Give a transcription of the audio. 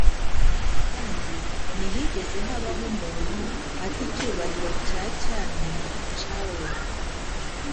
Kandi ntihigeze habaho umuntu Ate icyubahiro cya cyami nca we,